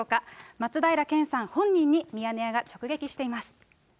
松平健さん本人にミヤネ屋が直撃しています。